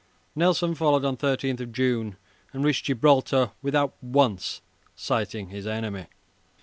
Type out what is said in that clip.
Nelson followed on 13 June, and reached Gibraltar without once sighting his enemy.